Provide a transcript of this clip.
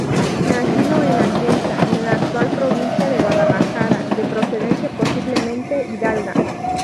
Nacido en Atienza, en la actual provincia de Guadalajara, de procedencia posiblemente hidalga.